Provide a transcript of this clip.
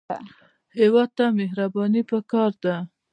هېواد ته مهرباني پکار ده